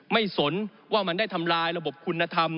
ไม่สนว่ามันได้ธรรมานระบบคุณธรรม